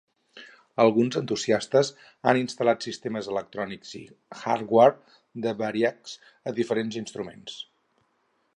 Alguns entusiastes han instal·lat sistemes electrònics i hardware de Variax a diferents instruments.